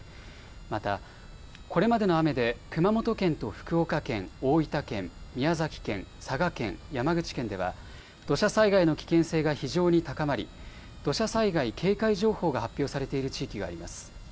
またこれまでの雨で熊本県と福岡県、大分県、宮崎県、佐賀県、山口県では土砂災害の危険性が非常に高まり土砂災害警戒情報が発表されている地域があります。